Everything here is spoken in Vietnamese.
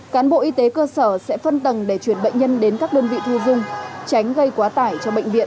cán bộ y tế cơ sở sẽ phân tầng để chuyển bệnh nhân đến các đơn vị thu dung tránh gây quá tải cho bệnh viện